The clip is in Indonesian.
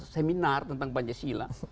seminar tentang pancasila